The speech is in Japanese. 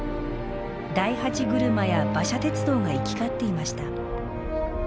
大八車や馬車鉄道が行き交っていました。